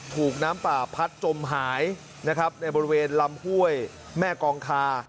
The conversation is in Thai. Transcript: ถูกน้ำป่าพัดจมหายนะครับในบริเวณลำห้วยแม่กองคา